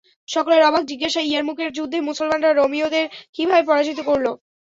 সকলের অবাক জিজ্ঞাসা– ইয়ারমুকের যুদ্ধে মুসলমানরা রোমীয়দের কিভাবে পরাজিত করল?